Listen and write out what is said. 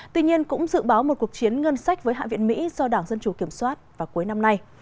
tuy nhiên cũng dự báo một cuộc chiến ngân sách với hạ viện mỹ do đảng dân chủ kiểm soát vào cuối năm nay